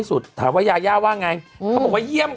อู๋ให้ช่วยเช็คเนี่ย